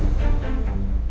kau tak berhutang dengan aku